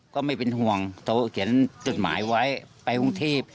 ก็ไม่เป็นห่วงโทรเขียนจดหมายไว้ไปกรุงเทพ